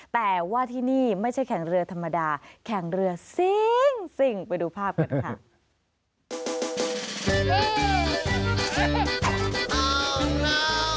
แต่ว่าที่นี่ไม่ใช่แข่งเรือธรรมดาแข่งเรือซิ่งไปดูภาพกันค่ะ